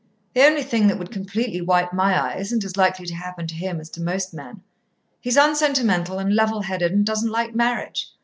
"The only thing that would completely wipe my eye isn't as likely to happen to him as to most men. He's unsentimental and level headed, and doesn't like marriage.